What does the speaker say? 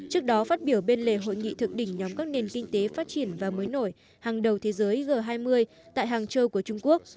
trước đó phát biểu bên lề hội nghị thượng đỉnh nhóm các nền kinh tế phát triển và mới nổi hàng đầu thế giới g hai mươi tại hàng châu của trung quốc